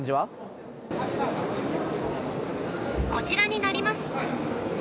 こちらになります。